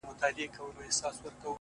ميسج ـ